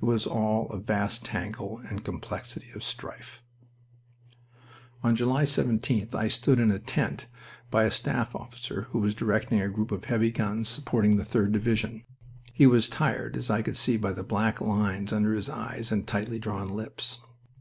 It was all a vast tangle and complexity of strife. On July 17th I stood in a tent by a staff officer who was directing a group of heavy guns supporting the 3d Division. He was tired, as I could see by the black lines under his eyes and tightly drawn lips.